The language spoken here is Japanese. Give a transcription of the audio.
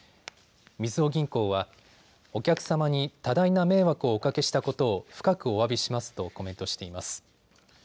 みずほ銀行はお客様に多大な迷惑をおかけしたことを深くおわびしますとコメントしています。